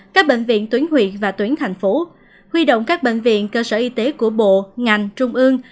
các bệnh viện tuyến huyện và tuyến thành phố huy động các bệnh viện cơ sở y tế của bộ ngành trung ương